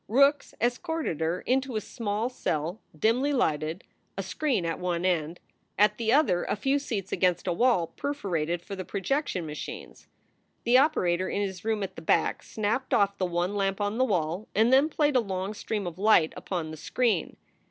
Rookes escorted her into a small cell, dimly lighted, a screen at one end; at the other a few seats against a wall perforated for the projection machines. The operator in his room at the back snapped off the one lamp on the wall, and then played a long stream of light upon the screen.